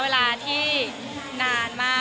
ขอบคุณครับ